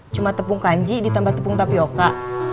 cuma tepung kanji ditambah tepung tapioca